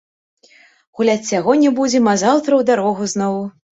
Гуляць сягоння будзем, а заўтра ў дарогу зноў.